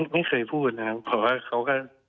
ไม่เคยพูดนะครับเพราะว่าเขาก็